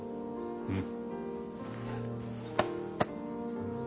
うん。